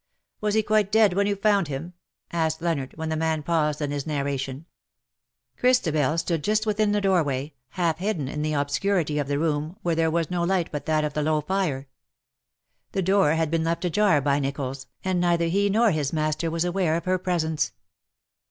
" Was he quite dead when you found him ?" asked Leonard, when the man paused in his nar ration. Christabel stood just within the doorway, half hidden in the obscurity of the room, where there was no light but that of the low fire. The door had been left ajar by Nicholls, and neither he nor his master was aware of her presence.